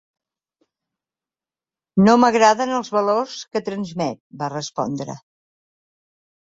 No m’agraden els valors que transmet, va respondre.